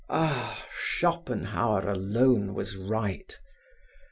Ah! Schopenhauer alone was right.